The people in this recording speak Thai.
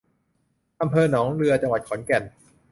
อำเภอหนองเรือ จังหวัดขอนแก่น